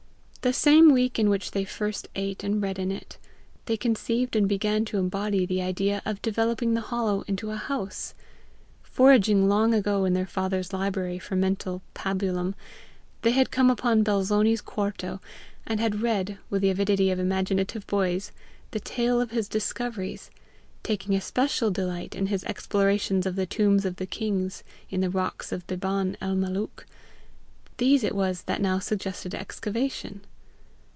The same week in which they first ate and read in it, they conceived and began to embody the idea of developing the hollow into a house. Foraging long ago in their father's library for mental pabulum, they had come upon Belzoni's quarto, and had read, with the avidity of imaginative boys, the tale of his discoveries, taking especial delight in his explorations of the tombs of the kings in the rocks of Beban el Malook: these it was that now suggested excavation.